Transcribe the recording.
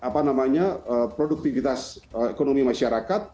produktivitas ekonomi masyarakat